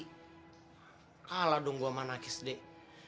kalah dong gue sama nakis dek